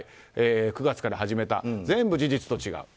９月から始めた全部事実と違うと。